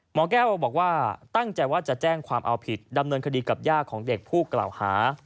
หมอแก้วบอกว่าตั้งใจว่าจะแจ้งความเอาผิดดำเนินคดีกับย่าของเด็กผู้กล่าวหา